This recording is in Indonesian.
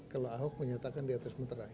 kalau ahok menyatakan di atas meterai